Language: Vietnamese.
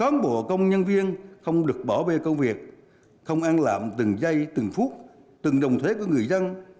cán bộ công nhân viên không được bỏ bê công việc không ăn lạm từng giây từng phút từng đồng thuế của người dân